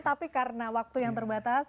tapi karena waktu yang terbatas